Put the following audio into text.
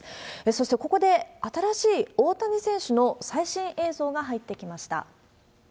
そしてここで、新しい大谷選手の最新映像が入ってきました。